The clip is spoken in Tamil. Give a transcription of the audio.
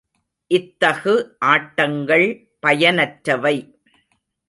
இத்தகு ஆட்டங்கள் பயனற்றவை.